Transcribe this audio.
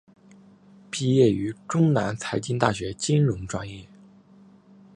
毕业于中南财经大学金融专业。